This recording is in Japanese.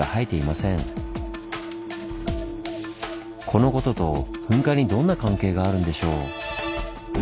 このことと噴火にどんな関係があるんでしょう？